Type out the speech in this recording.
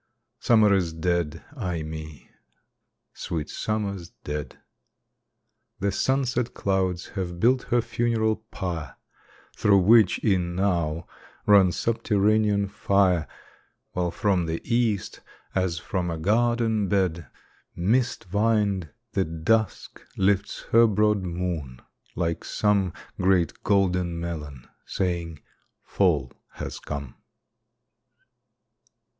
Summer is dead, ay me! sweet Summer's dead! The sunset clouds have built her funeral pyre, Through which, e'en now, runs subterranean fire: While from the East, as from a garden bed, Mist vined, the Dusk lifts her broad moon like some Great golden melon saying, "Fall has come."